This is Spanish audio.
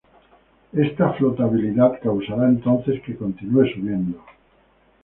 Esta flotabilidad causará entonces que continúe subiendo.